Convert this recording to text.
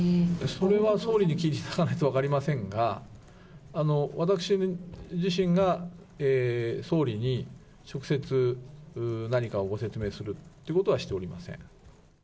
それは総理に聞いていただかないと分かりませんが、私自身が総理に直接何かをご説明するってことはしておりません。